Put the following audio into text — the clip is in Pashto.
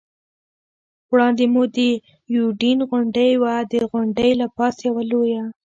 وړاندې مو د یوډین غونډۍ وه، د غونډۍ له پاسه یوه لویه.